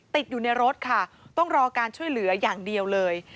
ติดอยู่ในรถค่ะต้องรอการช่วยเหลืออย่างเดียวเลย